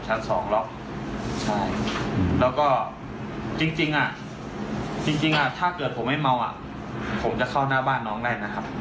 จริงอ่ะจริงอ่ะถ้าเกิดผมไม่เมาอ่ะผมจะเข้าหน้าบ้านน้องได้นะครับ